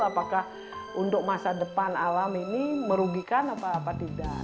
apakah untuk masa depan alam ini merugikan apa tidak